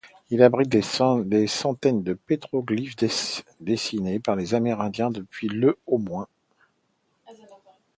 Il abrite des centaines de pétroglyphes dessinés par les Amérindiens depuis le au moins.